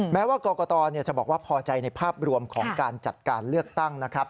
แม้ว่ากรกตจะบอกว่าพอใจในภาพรวมของการจัดการเลือกตั้งนะครับ